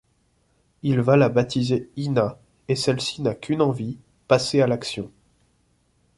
Il va la baptiser Hina, et celle-ci n’a qu’une envie, passer à l’action.